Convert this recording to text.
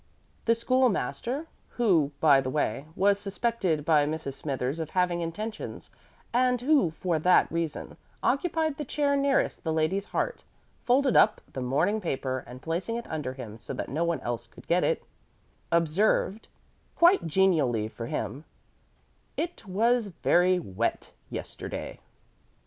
The School master, who, by the way, was suspected by Mrs. Smithers of having intentions, and who for that reason occupied the chair nearest the lady's heart, folded up the morning paper, and placing it under him so that no one else could get it, observed, quite genially for him, "It was very wet yesterday."